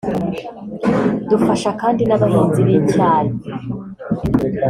Dufasha kandi n’abahinzi b’icyayi